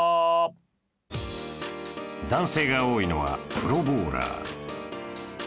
男性が多いのはプロボウラー